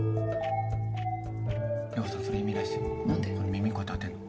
耳こうやって当てんの。